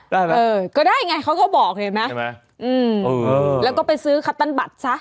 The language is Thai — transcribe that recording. ได้ไหมเออก็ได้ไงเขาก็บอกเลยไหมแล้วก็ไปซื้อคัตตันบัตรซะ